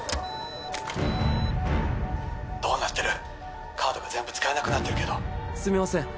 ☎どうなってるカードが全部使えなくなってるけどすみません